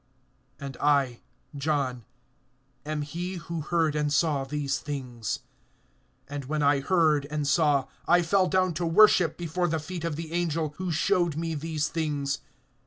(8)And I, John, am he who heard and saw these things. And when I heard and saw, I fell down to worship before the feet of the angel, who showed me these things.